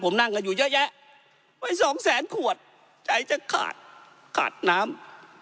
ผมนั่งกันอยู่เยอะแยะไว้สองแสนขวดใจจะขาดขาดน้ำ